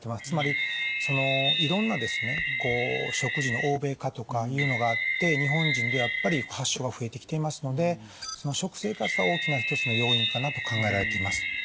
つまりそのいろんなですねこう食事の欧米化とかいうのがあって日本人でやっぱり発症が増えてきていますのでその食生活は大きな一つの要因かなと考えられています。